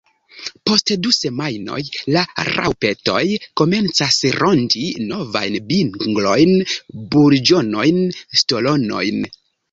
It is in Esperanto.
Post du semajnoj la raŭpetoj komencas ronĝi novajn pinglojn, burĝonojn, stolonojn.